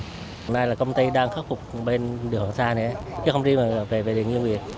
hôm nay là công ty đang khắc phục bên điều hoàng sa này chứ không riêng về điều nguyên việt